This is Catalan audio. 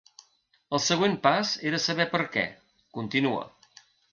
El següent pas era saber per què, continua.